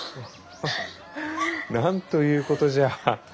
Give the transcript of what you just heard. なんということじゃ。